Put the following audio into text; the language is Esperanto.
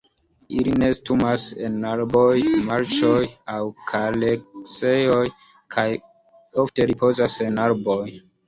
Ili nestumas en arboj, marĉoj aŭ kareksejoj, kaj ofte ripozas en arboj.